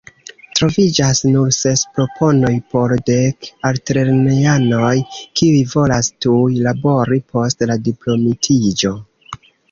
Troviĝas nur ses proponoj por dek altlernejanoj, kiuj volas tuj labori post la diplomitiĝo.